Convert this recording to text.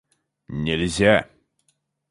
нельзя